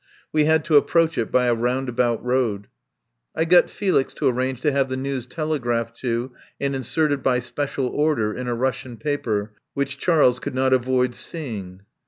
We had to approach it by a roundabout road. I got Felix to arrange to have the news tele graphed to and inserted by special order in a Russian paper which Charles could not avoid seeing.